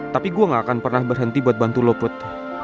tapi gue gak akan pernah berhenti buat bantu lopud